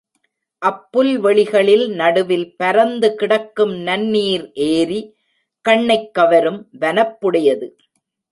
அப் புல்வெளிகளில் நடுவில் பரந்து கிடக்கும் நன்னீர் ஏரி, கண்ணைக் கவரும் வனப்புடையது.